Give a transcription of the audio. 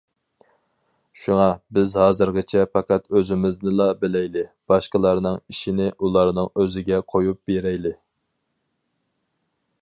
شۇڭا، بىز ھازىرچە پەقەت ئۆزىمىزنىلا بىلەيلى، باشقىلارنىڭ ئىشىنى ئۇلارنىڭ ئۆزىگە قۇيۇپ بېرەيلى!